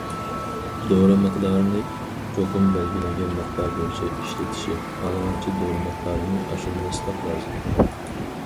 دورا مىقدارىنى چوقۇم بەلگىلەنگەن مىقدار بويىچە ئىشلىتىشى، خالىغانچە دورا مىقدارىنى ئاشۇرماسلىق لازىم.